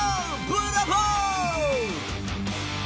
ブラボー！